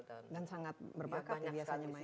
dan sangat berpakat biasanya